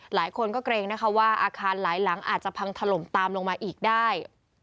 หลายคนก็เกรงนะคะว่าอาคารหลายหลังอาจจะพังถล่มตามลงมาอีกได้